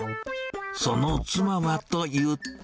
その妻はというと。